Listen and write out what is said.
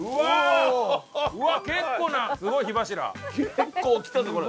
結構きたぞこれ。